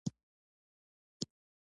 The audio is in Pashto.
لږ شمیر الوتکې د تودوخې مناسب سیستم لري